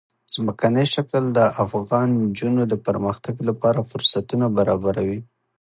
ځمکنی شکل د افغان نجونو د پرمختګ لپاره فرصتونه برابروي.